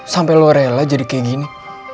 sampai lo rela jadi kayak gini